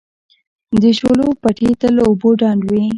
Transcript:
د شولو پټي تل له اوبو ډنډ وي.